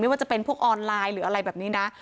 ว่าจะเป็นพวกออนไลน์หรืออะไรแบบนี้นะ